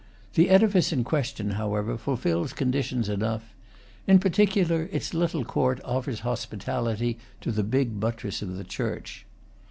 The edifice in question, however, fulfils con ditions enough; in particular, its little court offers hospitality to the big buttress of the church.